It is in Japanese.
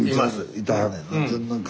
いてはるねんな。